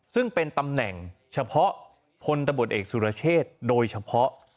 ซึ่งเป็นตำแหน่งเฉพาะพลตำรวจเอกสุรเชษโดยเฉพาะ